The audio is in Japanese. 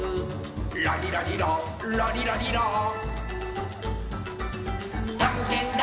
「ラリラリララリラリラ」「たんけんだ！